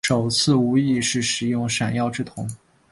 首次无意识使用闪耀之瞳。